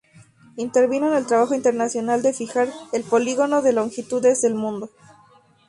Intervino en el trabajo internacional de fijar el polígono de longitudes del mundo.